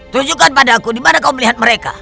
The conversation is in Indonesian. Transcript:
tunjukkan pada aku dimana kau melihat mereka